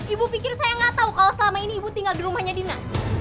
ibu pikir saya nggak tahu kalau selama ini ibu tinggal di rumahnya dina